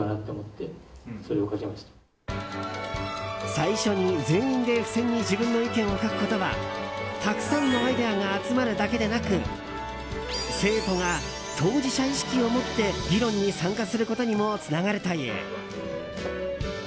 最初に、全員で付箋に自分の意見を書くことはたくさんのアイデアが集まるだけでなく生徒が当事者意識を持って議論に参加することにもつながるという。